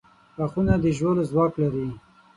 • غاښونه د ژولو ځواک لري.